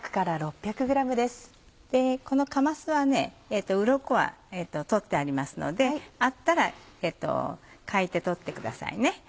このかますはウロコは取ってありますのであったらかいて取ってくださいね。